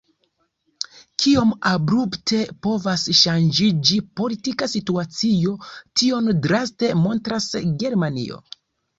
Kiom abrupte povas ŝanĝiĝi politika situacio, tion draste montras Germanio.